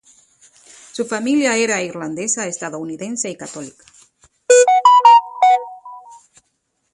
Su familia era irlandesa estadounidense y católica.